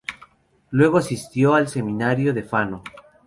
Luego asistió al seminario de Fano.